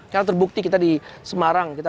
karena terbukti kita di semarang kita